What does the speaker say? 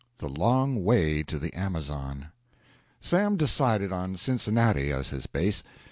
THE LONG WAY TO THE AMAZON Sam decided on Cincinnati as his base.